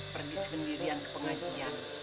pergi sendirian ke pengajian